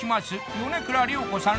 米倉涼子さん